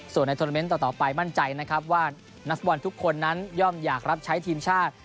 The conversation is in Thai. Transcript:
ส่วนในโทรเมนต์ต่อไปมั่นใจนะครับว่านักฟุตบอลทุกคนนั้นย่อมอยากรับใช้ทีมชาติ